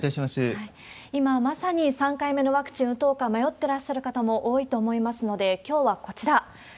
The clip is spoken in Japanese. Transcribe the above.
今、まさに３回目のワクチン打とうか迷ってらっしゃる方も多いと思いますので、きょうはこちら。